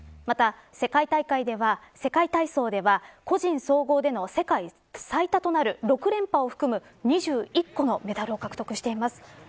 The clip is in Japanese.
また、世界大会ではまた世界体操では、個人総合での世界最多となる６連覇を含む２１個のメダルを獲得しています。